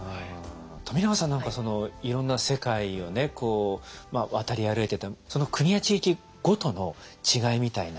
冨永さんなんかいろんな世界をね渡り歩いててその国や地域ごとの違いみたいな。